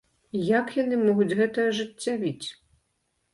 Як яны могуць гэта ажыццявіць?